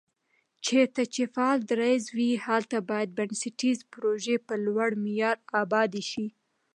چېرته چې فعال درز وي، هلته باید بنسټيزې پروژي په لوړ معیار آبادې شي